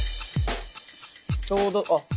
ちょうどあっ。